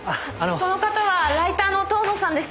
その方はライターの遠野さんです。